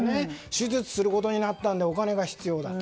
手術することになったんでお金が必要だ。